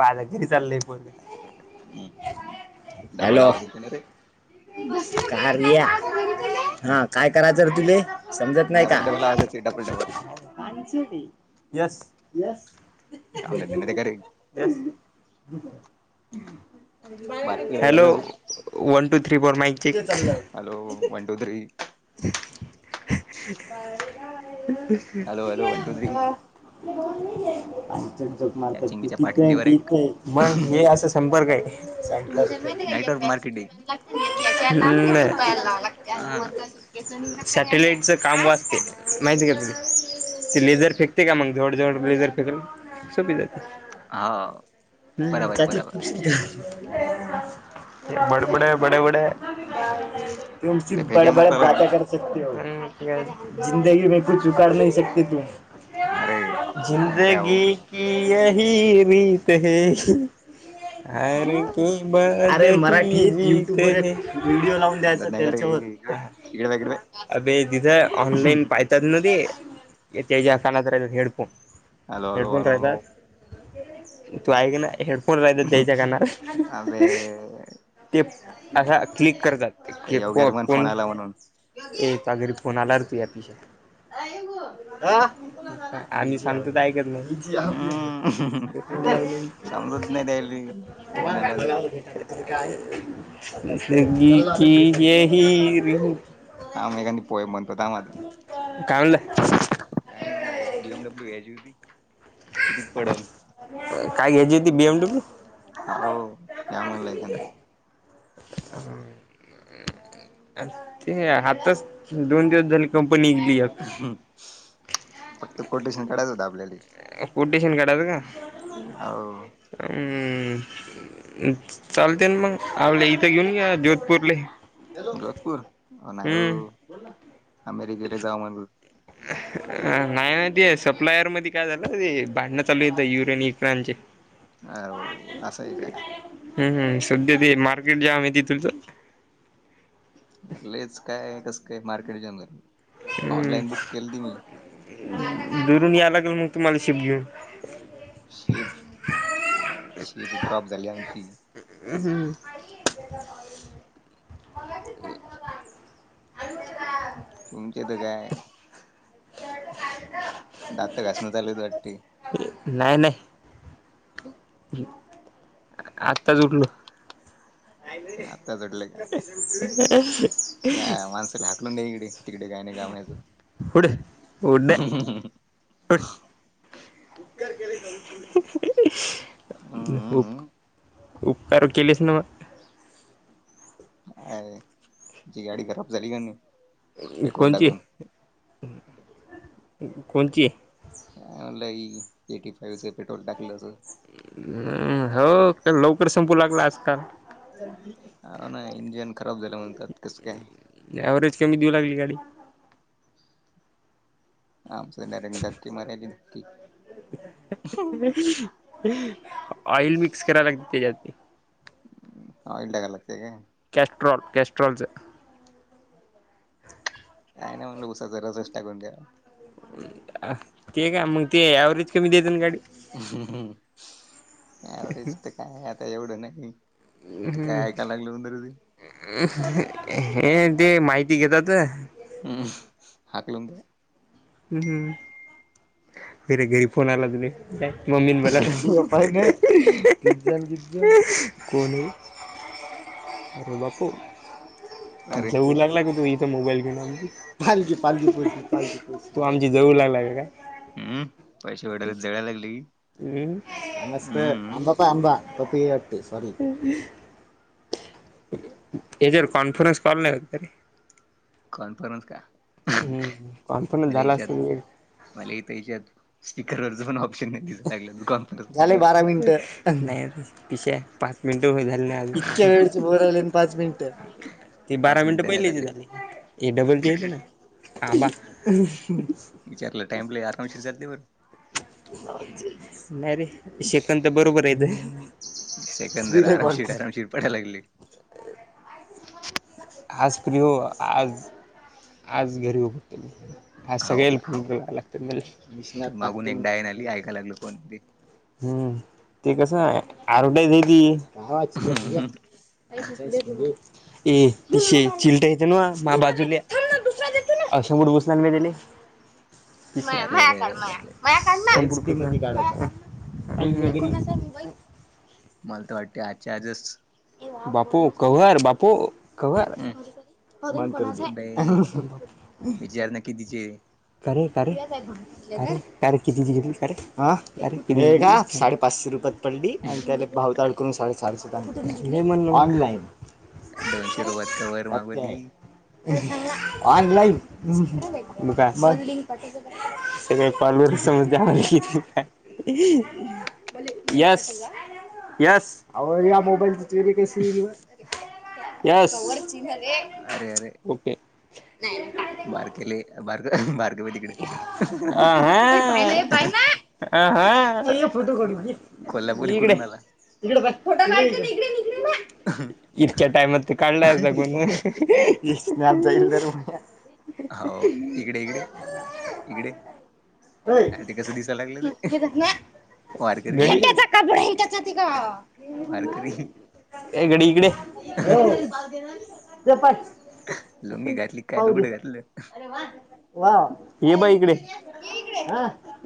पाझगिरी चाललंय पोरंग. हम्म डबल आवाज येतो. ना रे. काय कार्या हा काय करायचं रे तुले समजत डबल डबल आज. Double double.. yes yes. निन कारे. स hello.. one two three four mic check.. hello one two three.. [unintelligible] hello hello one two three आणि चट झप त्या मारतात. चिंगीच्या तथे पाठीत देवर एक तथे मग हे असा संपर्क आहे. नेटवर्क मार्केटिंग हा [unintelligible] सॅटेलाइटचं काम वाचते माहिती का? तुमही. तेी लेझर फेकते का मग जवळ जवळ लेझर फेकल सोपी जाते. हा हम् बराबर त्याची बराबर ख. बडबडे बडेबडे.. तुमची ते फेक्या ब़डब़ड मारा लागली बाते करते. जिंदगी मे कुछ उखड नाही सकते तूम अरे उंदऱ्या हो जिंदगी. की यही रीत है हर की अरे मराठी व्हिडिओ लावून द्यायचा. समजत नाही का रे त्याच्यावर इकडे बघ इकडे बघ अे तथं ऑनलाईन पाहि तमध्ये त्याच्या कानात रा हेडफोन. हॅलो हॅलो हेडफोन हॅलोलो. राहतात तू ऐक ना हेडफोन रायत द्यायच्या कानात अबे ते असा क्लिक करतात. त्या की को योग्याला पण फोन कोण आला म्हणून य स घरी फोन आला रुपयापिश आहे. आम्ही सांगतो ऐकत नाही. हम्म [inaudible] समजत नाही द्यायली फोन आला तर गी की येही र. आ मे कानी पोय बनतता मात काय म्हणलं का ना म्हण एक डीएमडब्ल्यू एच होती कितीत पडेल. काय घ्यायची होती बीएमडब्ल्यू हो या म्हणलायखदी अ. ते आताच दोन दिवस झाली कंपनीली फक्त कोटेशन कढयच होत आपल्याला कोटेशन कढात का हो हम्. चालते ना मग आल्या इथं घेऊन घ्या जोधपूरले गखपूर हो ना हो हम्म अमेरिकेला जाऊ म्हण. अ नाही नाती सप्लायर मध्ये काय झालं ते भांड. चालू हो येत युरेन यक्रनचे असं आहे का हम् हम् सध्या ते मार्केट जम आहे त तुझचं. अलेच काय आहे कसं काय मार्केट जॉईन कर. हम्म दरून याय लागेल मग तुम्हाला शिफ्ट घेऊन शेप शेप ड्रॉप झाली आमची. ह हमम तुमचे तर काय दात घासणं चालूत वाटते नाही नाही आत्ताच उठलो आता उठला का? या माणसला तलं [unintelligible] नाही इकडे तिकडे काही नाही कामायचं उड उड [unintelligible] [inaudible] हम्म उप हम्म, उपकार केलेच ना म एय तुझी गाडी खराब झाली कायनु? कोणतीच? कोणतीय? लई एटी फाईव्हचं पेट्रोल टाकलं तर हो तर लवकर संपू लागला आजकाल होा ना इंजन खराब झालं म्हणतात कसं काय? ॲव्हरेज कमी देऊ लागली गाडी आमचं [unintelligible] [inaudible] नरकी मरा्या नकी ऑइल मिक्स कराय लागेल त्याच्यात ते ऑइल टाकाय लागताय काय? कॅस्ट्रॉल कॅस्ट्रॉलचं काय नाही म्हणलं उसाचा रसच टाकून द्या ते का मग ते ऍव्हरेज कमी देते ना गाडी ॲव्हरेज तर काय आता एवढं नाही ते काय ऐकायला लागलं होतं रे ते हे ते माहिती घेत होतो हम्म हाकलून द्या हम्म हम् [unintelligible] घरी फोन आला तुही [unintelligible] मम्मी मला बापा आहे नाही [unintelligible] [inaudible] गजन ग कोणी र बापू [unintelligible] अरे [inaudible] जेवू लागला क तू इथ मोबाईल घेवू पालखी पालखी पालखी [unintelligible] तू आमची जळवू लागलाय काय? हम्म पैसे वडायला जळायला लागले की हम् नस्त हम्म आंबा पाय आंबा तप आट [unintelligible] सॉारी याजावर कॉन्फरन्स कॉल नाही लागत का रे? कॉन्फरन्स का? हम् काॅन्फरन्स मला झाला याच्यात असेल मला इथं याच्यात स्पीकरवरचं पण ऑप्शन नाही दिसू लागलं दुकान झाले बारा मिनटं नाही आजून पीशा पाच मिनिटं हो ना झाले आजून इतक्या वेळ बोलायले आणि पाच मिनिटं ते बारा मिनिटं पहिलेचे झाले ए डबल चे ना हा म विचारलं टाईमला आरामशीर चालते बरं नाही रे सेकंत तर बरोबर यतं सेकंद जरा आरामशीर आरामशीर पडायला लागले आज फ्री हो आज आज घरी [unintelligible] हा हो सगळेईल का फोन कराय लागते मले मिशनत ते मागून टाकते एक डायन आली सांग ऐका लागलो कोण ते हम्म ते कसं आरोट्या दिली ए पीशे चीलटं येतीन्हवं माझ्या बाजूले असं बुडुवं मी मेलेले [unintelligible] म अरे मया अरे अरे काढ मया अरे अरे मया काढ ना का [unintelligible] [inaudible] मला तर वाटते आजच्या आजच बापू कव्हर बापू कव्हर हम्म बे [unintelligible] विचार ना कितीचे कारे कारे कारे तारीख किती दिली होती तारीख? हे का साडे पाचशे रुपये. पडली आणि त्याला भावता अडून साडे चारशेत आणलं. म्हण ऑनलाईन. दोनशे रुपयात कवर सत्य आहे. मागवली ऑनलाईन? ब काय ब. [unintelligible] Yes yes. आवड - [unintelligible] येस. अरे अरे ओके. नाही. बारकेले बारग बारगवे तिकडे. हा हा. चल ना फोटो काढू एक ये. कोल्हापूर ये इकडे. इकडून आला इकडे बघ. इकडे ये इकडे. इतक्या टाइमात तर काढलाय का कोण? [unintelligible] हाव. इकडे ये. इकडे ये. इकडे. आणि ते कस दिसायला लागलं ते? हे धर ना वारकरी. [unintelligible] वारकरी. ए गडी इकडे ते पाठ लुंगी घातली काय? पाहू दे लुगडं घातलं. वा! ये बाळ इकडे.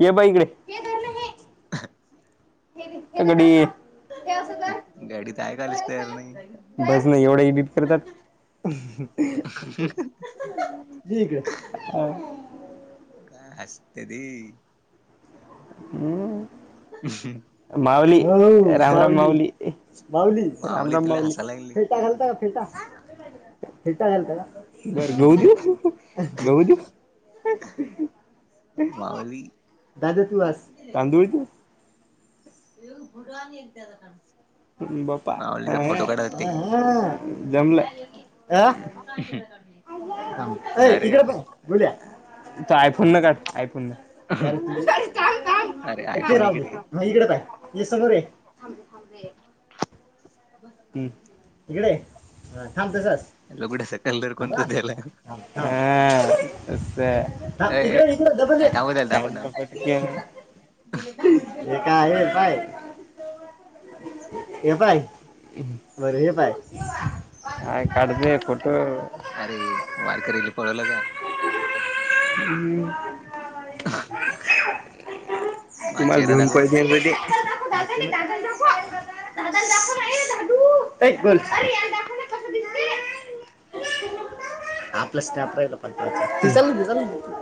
येबाळ इकडे. हे धर ना हे [inaudible] [unintelligible] गाडीत धर ऐकायलाच तयार नाही. असं बस नाही. एवढं एडिट करतात. [inaudible] [unintelligible] हा काय हसते ती. माऊली. राम राम माऊली. माऊली राम राम तुला माऊली. हसायला लागली फेटा आहे का फेटा? फेटा आहे का? [unintelligible] [unintelligible] माऊली दादा तूलास तांदुळीच. बाप्पा हा मावलीचा फोटो काढावं ते. [unintelligible] अ [inaudible] ए अरे इकडे अरे पाह्य. तिच्या आयफोनन काढ. आयफोनन. अरे ते आयफोन राहू दे. इकडे इकडे काढ. ये समोर ये. बस हम्म. [unintelligible] इकडे ये. थांब तसच. [unintelligible] कलर कोणता दिला? हम्. अस हा. अय इकडे इकडे ब थांबव त्याला थांबव थांबव [unintelligible] ए काय आहे? काय ए काय. बर हे पाय. काय काढतोय फोटो? अरे! वारकरीला पळवलं का? ह. माझा चेहरा तुम्हाला दाखव बर त्याले घेऊन [unintelligible] [inaudible] [unintelligible] आपला स्क्रॅप राहिला पत्र्याचा. करून घेऊ. करून घेऊ.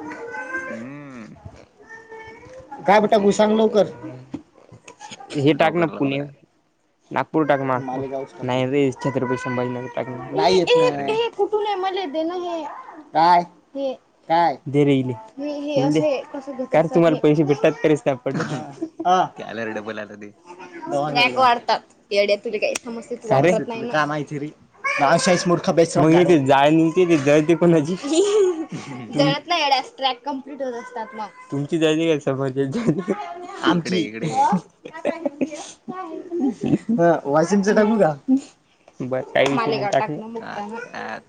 हम्म. काय ब टाकू सांग लवकर हे टाक ना लवकर पुणे लवकर नागपूर टाकमा नाही रे छत्रपती संभाजीनगर टाक अरे य कुठ म दे ना हे काय कायले. म्ह कायच तुम्हाला पैसे भेटतात तच प हा. त्याला रे डबल आलं ते वाढतात येड्या तुझ काही सम्या तुझ? अशाच मर्खा प्या जाय ते जायते कोणाची जत नाहीड ट्रॅक कप्लीट होत असतात मग तुमची जाणी का स म्हजे इकडे आमची इकडे ह वाशिमच टाकू का? ब माा आत आत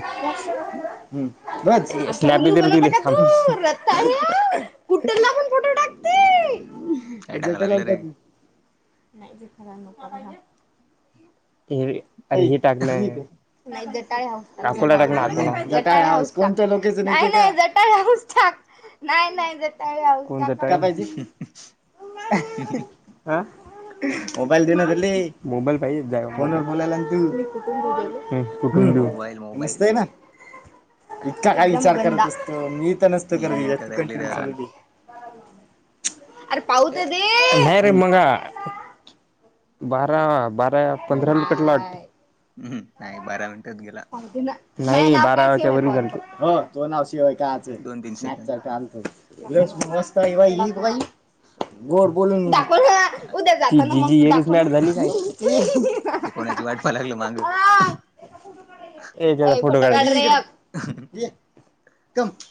हम्म बज स्ॅबड कु आप फोटो टाकते काय टाकाय जटेला लागलं रे टाकू. ते हे टाकणं ते राफोला टाक. मागवाई मागवाई कोणत लोक नाही जटाळाक नाही नाही जटाळ पाहिजे हा. म मोबाईल दे ना दे म मोबाईल पा जा फोन फला त कु मोबाईल मोबाईल नसतय ना इतका काय विचार करतसतो मी तर तीन त मिनिटं राहिले रे अजून कंटन्यूलेली अरे पाहत ते नाही रे मंगा बारा बारा पंधरा रुपेट्लॉट ह नाही बारा मिनट. नाही बारा वाजच्या वर जलतो हो दोनशे वा. दोन तीन स्ॅक सेकंद चार आणतोत बाईई. गोड बोलूनद जी एच मॅड झाली का? ते कोणाची वाटपाय लागलं माग ज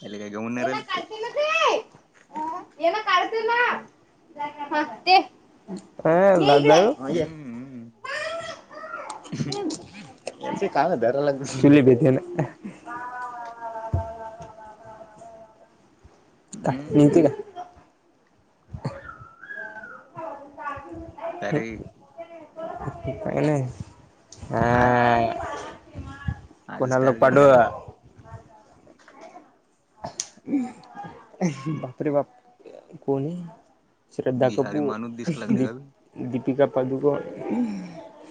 त्याले काय घेऊन नाही राहिलं [unintelligible] का ना ते ह हम्म काां रलाग चुली बेते ना का निती हम्म का अरे का नाही अचा ह कोणा लो टार्गेट पाडू झालं बापरे बाप कोण आहे श्रद्धा बिहारी कपूर माणूस दिसाय लागले दीप का दीपिका पादुकण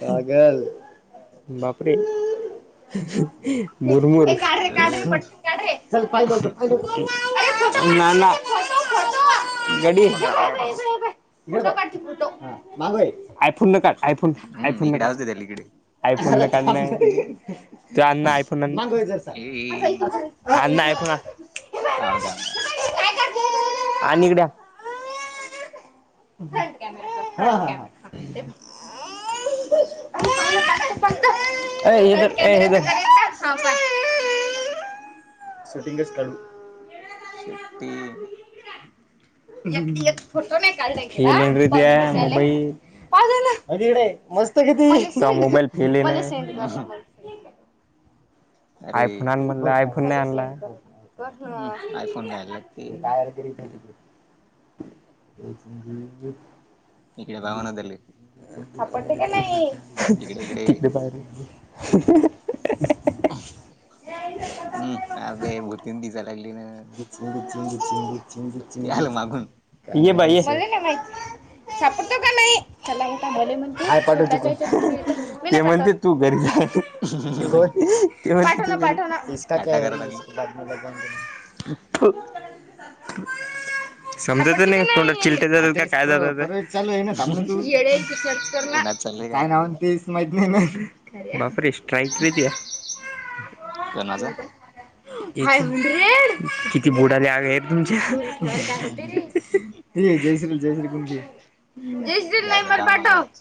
पागल बापरे मुरमुर ह कडे स्प फाद फा नाही नाही गडी पकडा पकडा पकडा माई आयफोन नका आयफोन हम्म आयफोन न इकडे काढ आवाज दे त्याला इकडे आयफोनला काढ तू अण्ना आयफोन अ् ए ह थांब थांब थांब आणिकड र ए हेद ए हेदर शूटिंगच काळू शे्टी खेले र त्या मुबाई पा मस्त किती मोबाईल पेली ना अरे आयफोन आण म्हणला आयफोन नाही आणलाय हम्म आयफोन घ्यायला लागते काय इकडे पाहाव ना त्याले [unintelligible] आपण ते का नाही इकडे इकडे तिकडे पारे [unintelligible] चडी हम्म अबे च भूतीन दिसाय लागली ना च चि ते आलं चिज मागून के बाई सापडतो का नाही चला उठा भले म्हण का ते म्हणते तू घरी म्हणतेका टाटा करायला लागलं लाला समजायच नाही कोड चिलटे जात का काय जात लू आहे ना तम तू तोंडात चाललंय काय नाव ते माहि नाही बाप रे स्ट्राईक द्या कोणाचा किती बुडाले आहेत तुमच्या जय श्रीु जय श्री कुणती जस दिन नाही झालं मर दाम पाट आलोच